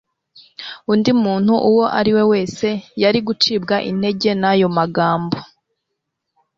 Undi muntu uwo ari we wese yari gucibwa intege n'ayo magambo.